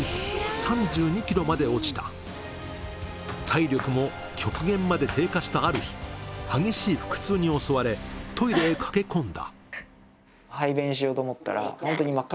３２ｋｇまで落ちた体力も極限まで低下したある日激しい腹痛に襲われトイレへ駆け込んだ